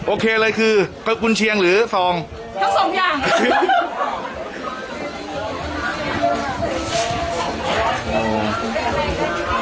โอเคเลยคือสกุญเชียงหรือซองทั้งสองอย่าง